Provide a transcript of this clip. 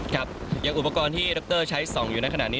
ครับอย่างอุปกรณ์ที่ดรใช้ส่องอยู่ในขณะนี้